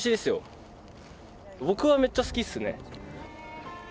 僕はめっちゃ好きですね。